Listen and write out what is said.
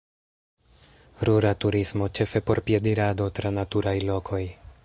Rura turismo, ĉefe por piedirado tra naturaj lokoj.